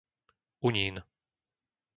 Unín